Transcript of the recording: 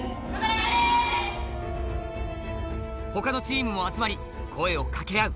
他のチームも集まり声を掛け合う